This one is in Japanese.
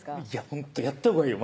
ほんとやったほうがいいよ